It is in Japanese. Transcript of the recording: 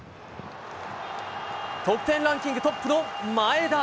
得点ランキングトップの前田。